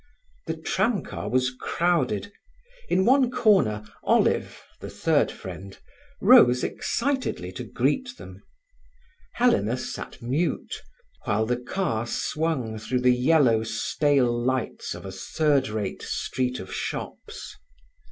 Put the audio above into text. The tramcar was crowded. In one corner Olive, the third friend, rose excitedly to greet them. Helena sat mute, while the car swung through the yellow, stale lights of a third rate street of shops.